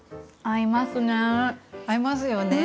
合いますよね。